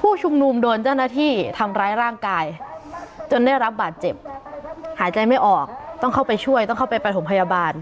ผู้ชุมนุมโดนเจ้าหน้าที่ทำร้ายร่างกายจนได้รับบาดเจ็บหายใจไม่ออกต้องเข้าไปช่วยต้องเข้าไปประถมพยาบาล